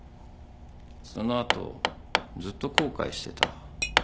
その後ずっと後悔してた。